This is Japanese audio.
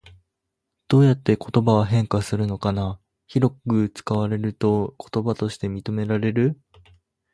どうやって言葉は変化するのかな？広く使われると言葉として認められる？